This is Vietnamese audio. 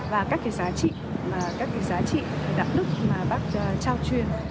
và các cái giá trị đạo đức mà bác trao truyền